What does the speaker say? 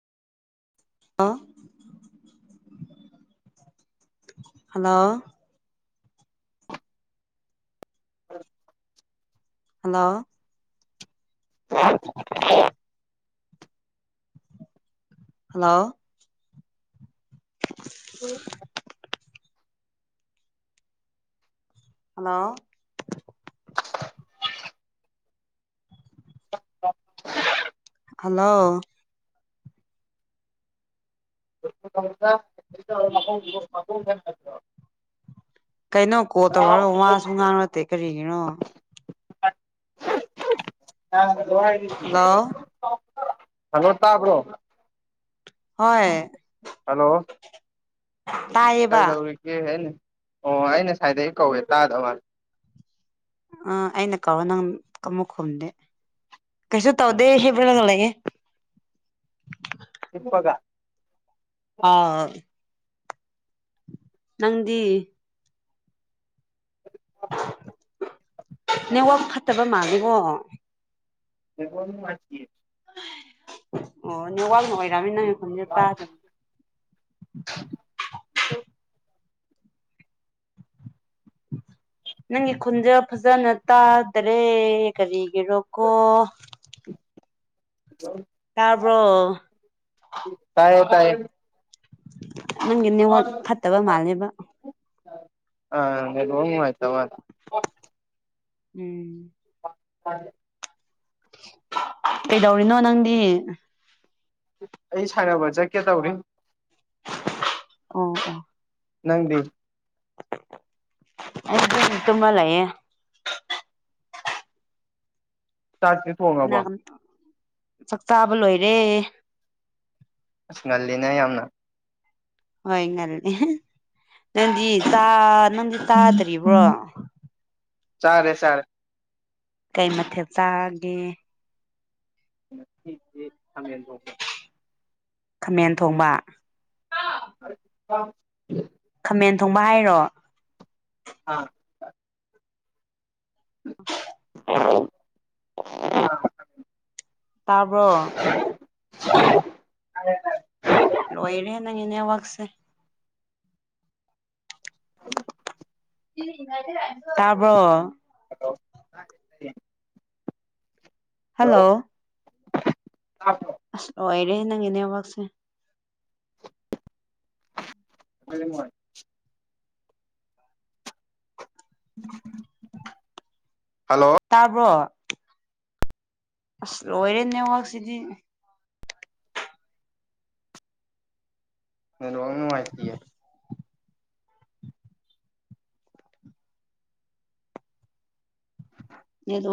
ꯑ hello [inaudible] hello [unintelligible] hello hello hello [unintelligible] ꯀꯩꯅꯣ call ꯇꯧꯔꯒ ꯋꯥꯁꯨ ꯉꯥꯡꯂꯛꯇꯦ ꯀꯔꯤꯒꯤꯅꯣ ꯍꯜꯂꯣ ꯍꯜꯂꯣ ꯇꯥꯕ꯭ꯔꯣ ꯍꯣꯏ ꯍꯜꯂꯣ ꯇꯥꯏꯌꯦꯕ ꯀꯩꯗꯧꯔꯤꯒꯦ ꯑꯩꯅ ꯑꯣ ꯑꯩ ꯉꯁꯥꯏꯗꯩ ꯀꯧꯋꯦ ꯇꯥꯗꯃꯥꯜꯂꯦ ꯑꯥ ꯑꯩꯅ ꯀꯧꯔ ꯅꯪ ꯀꯃꯨꯛ ꯈꯨꯝꯗꯦ ꯀꯩꯁꯨ ꯎꯝ ꯇꯧꯗꯦ ꯍꯤꯞꯂꯒ ꯂꯩꯑꯦ ꯍꯤꯞꯄꯒ ꯑꯥꯎ ꯅꯪꯗꯤ ꯅꯦꯛꯋꯥꯛ ꯐꯠꯇꯕ ꯃꯥꯜꯂꯦꯒꯣ ꯅꯦꯠꯋꯥꯔꯛ ꯅꯨꯡꯉꯥꯏꯇꯤꯌꯦ ꯑꯣ ꯅꯦꯋꯥꯛꯅ ꯑꯣꯏꯔꯝꯅꯤ ꯅꯪ ꯅꯈꯣꯟ ꯇꯥꯗꯕ ꯅꯪꯒꯤ ꯈꯨꯟꯖꯦꯜ ꯐꯖꯅ ꯇꯥꯗ꯭ꯔꯦ ꯀꯔꯤꯒꯤꯔꯣꯀꯣ [unintelligible] ꯇꯥꯕ꯭ꯔꯣ ꯇꯥꯏꯌꯦ ꯇꯥꯏꯌꯦ ꯅꯪꯒꯤ ꯅꯦꯋꯥꯛ ꯐꯠꯇꯕ ꯃꯥꯜꯂꯦꯕ ꯑ ꯅꯦꯠꯋꯥꯛ ꯅꯨꯡꯉꯥꯏꯇ ꯃꯥꯜ ꯎꯝ [unintelligible] ꯀꯩꯗꯧꯔꯤꯅꯣ ꯅꯪꯗꯤ ꯑꯩ ꯁꯥꯟꯅꯕ ꯆꯠꯀꯦ ꯇꯧꯔꯤ ꯑꯣ ꯑꯣ ꯅꯪꯗꯤ ꯑꯩꯗꯤ ꯇꯨꯝꯃ ꯂꯩꯌꯦ ꯆꯥꯛꯇꯤ ꯊꯣꯡꯉꯕꯣ [unintelligible] ꯆꯥꯛ ꯆꯥꯕ ꯂꯣꯏꯔꯦ ꯑꯁ ꯉꯜꯂꯤꯅ ꯌꯥꯝꯅ ꯍꯣꯏ ꯉꯜꯂꯤ ꯅꯪꯗꯤ ꯆꯥ ꯅꯪꯗꯤ ꯇꯥꯗ꯭ꯔꯤꯕ꯭ꯔꯣ ꯆꯥꯔꯦ ꯆꯥꯔꯦ ꯀꯩ ꯃꯊꯦꯜ ꯆꯥꯒꯦ ꯉꯁꯤꯗꯤ ꯈꯥꯃꯦꯟ ꯊꯣꯡꯕ ꯈꯥꯃꯦꯟ ꯊꯣꯡꯕ [unintelligible] [inaudible] ꯈꯥꯃꯦꯟ ꯊꯣꯡꯕ ꯍꯥꯏꯔꯣ ꯑꯥ ꯎ [inaudible] [inaudible] ꯇꯥꯕ꯭ꯔꯣ ꯑ [inaudible] ꯂꯣꯏꯔꯦ ꯅꯪꯒꯤ ꯅꯦꯠꯋꯥꯛꯁꯦ [unintelligible] [inaudible] ꯇꯥꯕ꯭ꯔꯣ ꯍꯂꯣ [inaudible] ꯍꯜꯂꯣ ꯇꯥꯕ꯭ꯔꯣ ꯑꯁ ꯑꯣꯏꯔꯦꯍꯦ ꯅꯪꯒꯤ ꯅꯦꯠꯋꯥꯛꯁꯦ ꯃꯣꯏ [inaudible] ꯍꯜꯂꯣ ꯇꯥꯕ꯭ꯔꯣ ꯑꯁ ꯂꯣꯏꯔꯦ ꯅꯦꯠꯋꯥꯛ ꯁꯤꯗꯤ ꯅꯦꯠꯋꯥꯛ ꯅꯨꯡꯉꯥꯏꯇꯤꯌꯦ ꯅꯦꯠꯋꯥꯛ [inaudible]